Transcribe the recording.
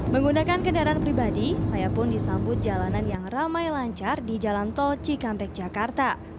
menggunakan kendaraan pribadi saya pun disambut jalanan yang ramai lancar di jalan tol cikampek jakarta